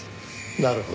なるほど。